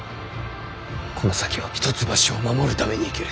この先は一橋を守るために生きる。